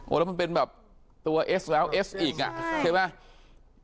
แล้วมันเป็นแบบตัวเอสแล้วเอสอีกอ่ะใช่ไหม